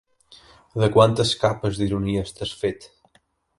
De quantes capes d'ironia estàs fet?